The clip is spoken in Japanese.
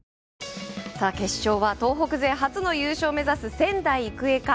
決勝は、東北勢初の優勝を目指す仙台育英か。